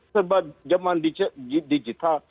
sebab zaman digital